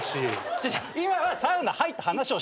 違う違う。